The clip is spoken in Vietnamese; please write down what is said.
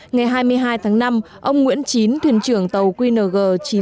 ngày hai mươi hai tháng năm ông nguyễn chín thuyền trưởng tàu qng chín mươi sáu nghìn ba trăm chín mươi chín